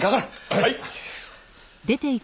はい！